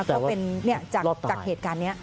ก็เป็นจากเหตุการณ์นี้